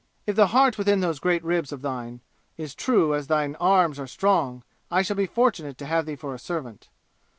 If the heart within those great ribs of thine is true as thine arms are strong I shall be fortunate to have thee for a servant!"